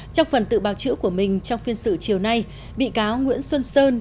trong phần tự bào chữa của mình trong phiên xử chiều nay bị cáo nguyễn xuân sơn